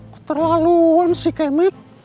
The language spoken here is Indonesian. keterlaluan si kemit